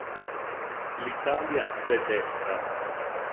L'Italia s'è desta.